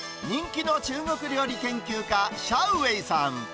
人気の中国料理研究家、シャウ・ウェイさん。